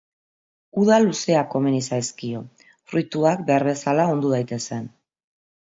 Uda luzeak komeni zaizkio, fruituak behar bezala ondu daitezen.